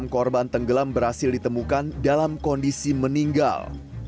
enam korban tenggelam berhasil ditemukan dalam kondisi meninggal